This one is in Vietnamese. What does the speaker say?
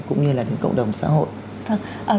cũng như là đến cộng đồng xã hội